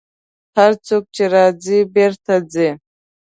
هر څوک چې راځي، بېرته ځي.